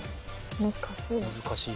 難しい。